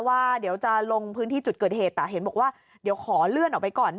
ว่าเดี๋ยวจะลงพื้นที่จุดเกิดเหตุแต่เห็นบอกว่าเดี๋ยวขอเลื่อนออกไปก่อน